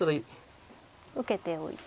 受けておいて。